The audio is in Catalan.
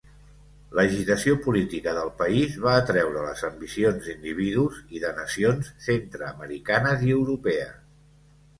L'agitació política del país, va atreure les ambicions d'individus i de nacions centreamericanes i europees.